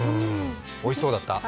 おいしそうだった。